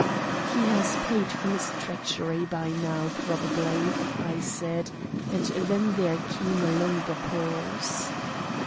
"He has paid for his treachery by now, probably," I said, and then there came a longer pause.